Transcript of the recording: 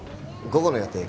午後の予定